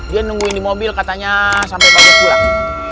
dia nungguin di mobil katanya sampai pak bos pulang